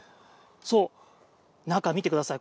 中、見てください。